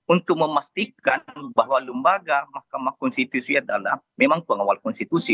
untuk memastikan bahwa lembaga mahkamah konstitusi adalah memang pengawal konstitusi